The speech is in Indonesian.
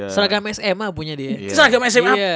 seragam sma punya dia